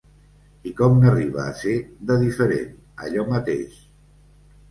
I com n'arriba a ser, de diferent, allò mateix!